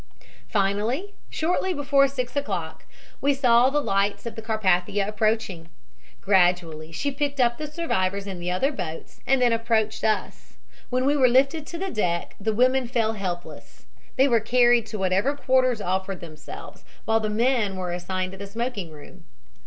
"Finally, shortly before 6 o'clock, we saw the lights of the Carpathia approaching. Gradually she picked up the survivors in the other boats and then approached us. When we were lifted to the deck the women fell helpless. They were carried to whatever quarters offered themselves, while the men were assigned to the smoking room.